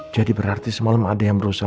jadi berarti semalam ada yang berusaha